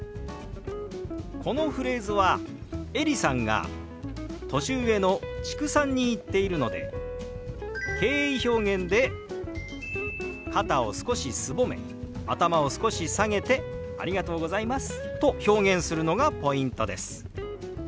このフレーズはエリさんが年上の知久さんに言っているので敬意表現で肩を少しすぼめ頭を少し下げて「ありがとうございます」と表現するのがポイントです。